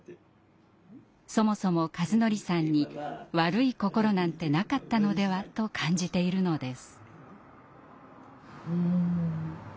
そもそも一法さんに「悪い心」なんてなかったのではと感じているのです。